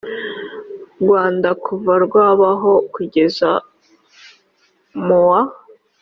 rwanda kuva rwabaho kugeza mu wa